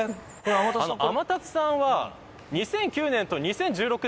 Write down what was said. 天達さんは２００９年と２０１６年